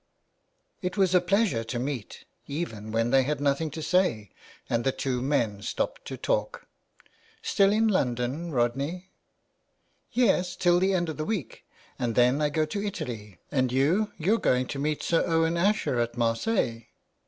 It was a pleasure to meet, even when they had nothing to say, and the two men stopped to talk. " Still in London, Rodney." " Yes, till the end of the week ; and then I go to Italy. And you? You're going to meet Sir Owen Asher at Marseilles."